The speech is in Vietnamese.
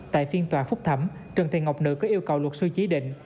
tại phiên tòa phúc thẩm trần thị ngọc nữ có yêu cầu luật sư chí định